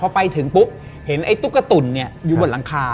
แต่พอไปถึงปุ๊บเห็นไอ้ตุ๊กตุ่นเนี่ยอยู่บลงคา